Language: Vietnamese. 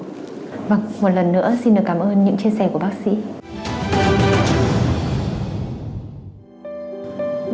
vâng một lần nữa xin được cảm ơn những chia sẻ của bác sĩ